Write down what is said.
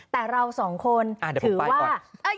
แต่เราสองคนถือว่าอ่าเดี๋ยวผมป้ายก่อน